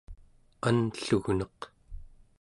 anllugneq